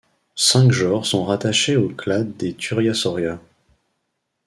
Cinq genres sont rattachés au clade des Turiasauria.